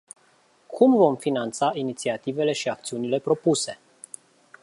Cum vom finanța inițiativele și acțiunile propuse?